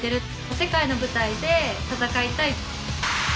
世界の舞台で戦いたい。